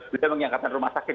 sudah menyangkatkan rumah sakit